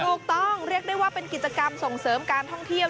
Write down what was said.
เรียกได้ว่าเป็นกิจกรรมส่งเสริมการท่องเที่ยว